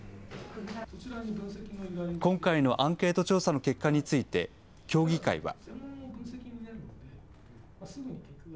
今回のアンケート調査の結果について、協議会は。